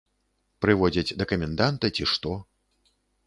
Прыводзяць да каменданта, ці што.